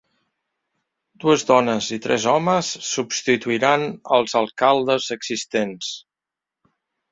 Dues dones i tres homes substituiran als alcaldes existents.